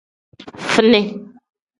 Fini.